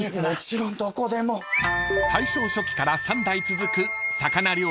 ［大正初期から３代続く］